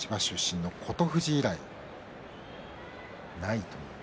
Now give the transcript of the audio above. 千葉出身の琴富士以来ないという。